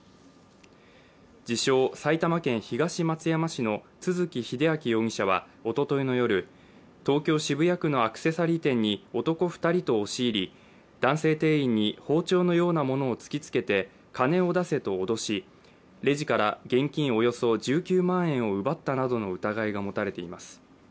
自称・埼玉県東松山市の都築英明容疑者はおとといの夜、東京・渋谷区のアクセサリー店に男２人と押し入り男性店員に包丁のようなものを突きつけて金を出せと脅しレジから現金およそ１９万円を奪ったなどの疑いが持たれています。